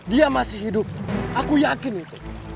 dia masih hidup aku yakin itu